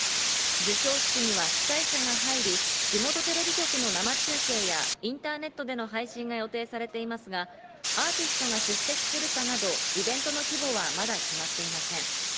授賞式には司会者が入り、地元テレビ局の生中継やインターネットでの配信が予定されていますが、アーティストが出席するかなどイベントの規模はまだ決まっていません。